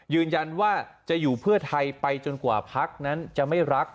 ยืนยันว่าจะอยู่เพื่อไทยไปจนกว่าพักนั้นจะไม่รัก